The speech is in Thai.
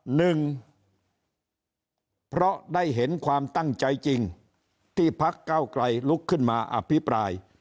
หนึ่งเพราะได้เห็นความตั้งใจจริงที่พักเก้าไกลลุกขึ้นมาอภิปราย